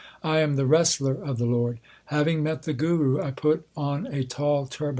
I am the wrestler of the Lord : Having met the Guru I put on a tall turban.